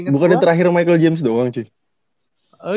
bukan ada terakhir michael james doang cuy